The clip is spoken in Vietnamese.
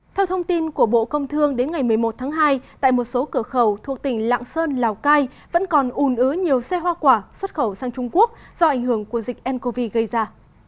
theo thông tin của bộ công thương đến ngày một mươi một tháng hai tại một số cửa khẩu thuộc tỉnh lạng sơn lào cai vẫn còn ùn ứ nhiều xe hoa quả xuất khẩu sang trung quốc do ảnh hưởng của dịch ncov gây ra